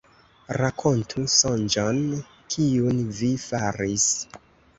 Rakontu sonĝon, kiun vi faris.